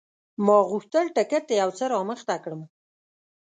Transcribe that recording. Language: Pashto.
ما غوښتل ټکټ یو څه رامخته کړم.